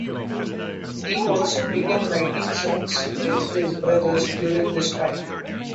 He also began writing songs with his brothers during this time.